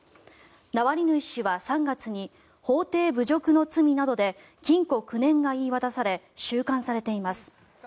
ナワリヌイ氏は３月に法廷侮辱の罪などで禁錮９年が言い渡され収監されています。